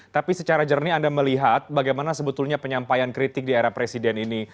tapi secara jernih anda melihat bagaimana sebetulnya penyampaian kritik di era presiden ini